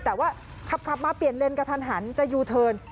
แต่ว่าขับมาเปลี่ยนเลนกระทันหันจะยูเทิร์น